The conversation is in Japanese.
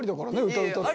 歌歌っても。